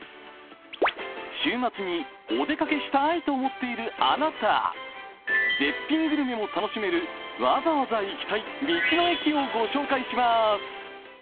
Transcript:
週末にお出かけしたいと思っているあなた、絶品グルメも楽しめる、わざわざ行きたい道の駅をご紹介します。